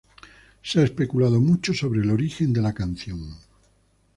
Se ha especulado mucho sobre el origen de la canción.